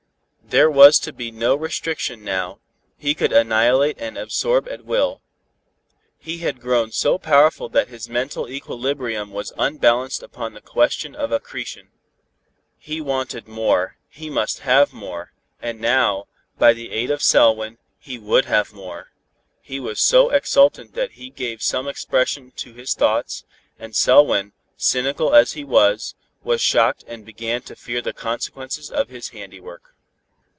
There was to be no restriction now, he could annihilate and absorb at will. He had grown so powerful that his mental equilibrium was unbalanced upon the question of accretion. He wanted more, he must have more, and now, by the aid of Selwyn, he would have more. He was so exultant that he gave some expression to his thoughts, and Selwyn, cynical as he was, was shocked and began to fear the consequences of his handiwork.